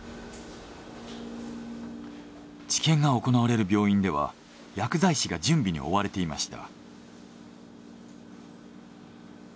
治験が行われる病院では薬剤師が準備に追われていました。